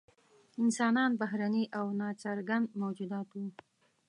انسانان بهرني او نا څرګند موجودات وو.